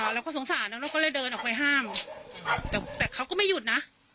เราก็สงสารเราก็เลยเดินออกไปห้ามแต่เขาก็ไม่หยุดนะ